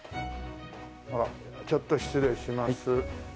あらちょっと失礼します。